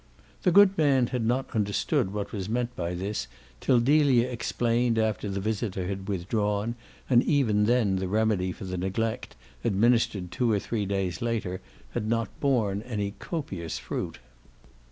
The good man had not understood what was meant by this till Delia explained after the visitor had withdrawn, and even then the remedy for the neglect, administered two or three days later, had not borne any copious fruit.